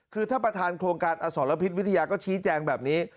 คือท่านประธานโครงการอสรพิษวิทยาก็ชี้แจงแบบนี้